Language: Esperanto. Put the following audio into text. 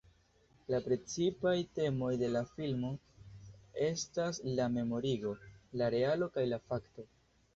La precipaj temoj de la filmo estas la memorigo, la realo kaj la fakto.